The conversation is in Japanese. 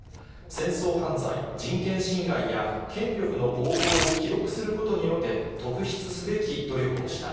戦争犯罪、人権侵害や、権力の横暴を記録することにおいて、特筆すべき努力をした。